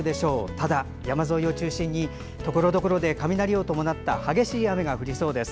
ただ、山沿いを中心にところどころで雷を伴った激しい雨が降りそうです。